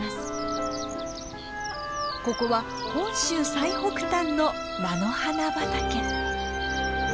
ここは本州最北端の菜の花畑。